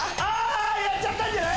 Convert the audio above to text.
やっちゃったんじゃない？